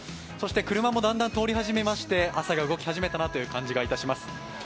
そして車もだんだん通り始めて朝が動き始めたなという感じがします。